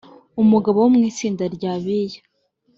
umugabo wo mu itsinda rya Abiya